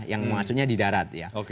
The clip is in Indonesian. yang masuknya di darat ya